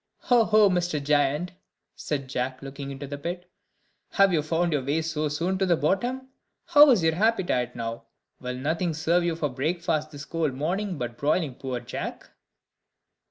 "O ho, Mr. Giant!" said Jack, looking into the pit, "have you found your way so soon to the bottom? How is your appetite now? Will nothing serve you for breakfast this cold morning but broiling poor Jack?"